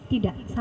tidak ada semuanya